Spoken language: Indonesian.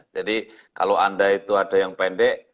jadi kalau anda itu ada yang pendek